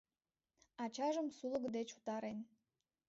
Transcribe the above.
Ачажым сулык деч утарен.